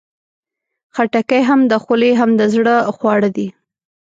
خټکی هم د خولې، هم د زړه خواړه دي.